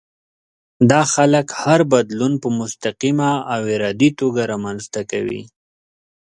دا خلک هر بدلون په مستقيمه او ارادي توګه رامنځته کوي.